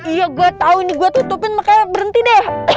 iya gue tau nih gue tutupin makanya berhenti deh